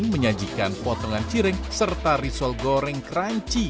menyajikan potongan cireng serta risol goreng crunchy